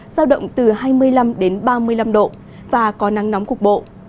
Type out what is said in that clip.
giao động từ hai mươi năm đến ba mươi năm độ và có nắng nóng cuộc bộ